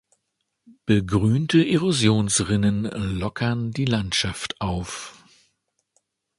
Begrünte Erosionsrinnen lockern die Landschaft auf.